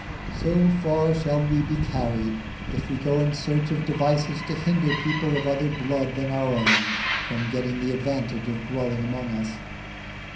So far shall we be carried if we go in search of devices to hinder people of other blood than our own from getting the advantage of dwelling among us.